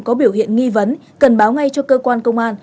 có biểu hiện nghi vấn cần báo ngay cho cơ quan công an